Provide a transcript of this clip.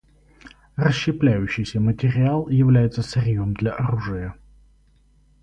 Расщепляющийся материал является сырьем для оружия.